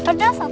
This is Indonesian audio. pedas apa pak